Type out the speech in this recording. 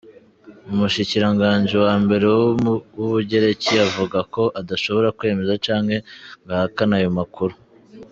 Umushikiranganji wa mbere w'Ubugereki avuga ko adashobora kwemeza canke ngo ahakane ayo makuru.